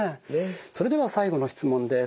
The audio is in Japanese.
それでは最後の質問です。